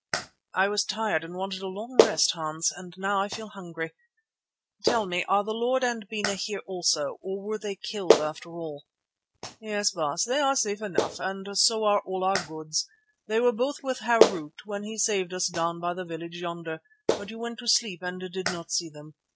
"I was tired and wanted a long rest, Hans, and now I feel hungry. Tell me, are the lord and Bena here also, or were they killed after all?" "Yes, Baas, they are safe enough, and so are all our goods. They were both with Harût when he saved us down by the village yonder, but you went to sleep and did not see them.